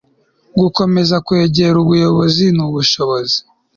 gukomeza kwegereza ubuyobozi n'ubushobozi